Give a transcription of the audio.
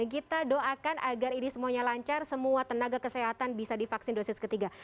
kita doakan agar ini semuanya lancar semua tenaga kesehatan bisa divaksin dosis ketiga